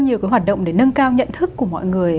nhiều cái hoạt động để nâng cao nhận thức của mọi người